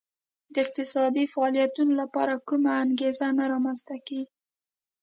د اقتصادي فعالیتونو لپاره کومه انګېزه نه رامنځته کېږي